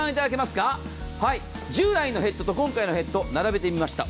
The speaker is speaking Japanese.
従来のヘッドと今回のヘッド並べてみました。